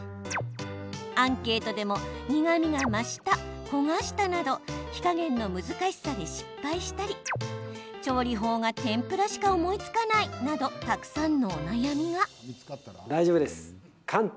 アンケートでも苦みが増した、焦がしたなど火加減の難しさで失敗したり調理法が天ぷらしか思いつかないなどたくさんのお悩みが。